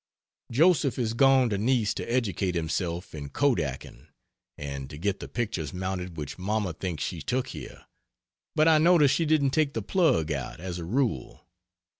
Joseph is gone to Nice to educate himself in Kodaking and to get the pictures mounted which Mamma thinks she took here; but I noticed she didn't take the plug out, as a rule.